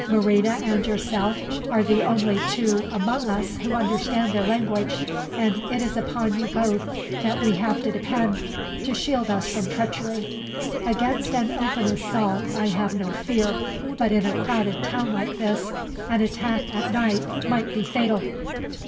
Marina and yourself are the only two among us who understand their language, and it is upon you both that we have to depend, to shield us from treachery. Against an open assault I have no fear, but in a crowded town like this, an attack at night might be fatal."